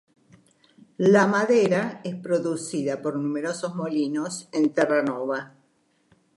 La madera es producida por numerosos molinos en Terranova.